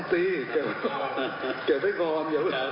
เอ๊ะเรามีกรอบอะไรเรื่องบอทเราต้อง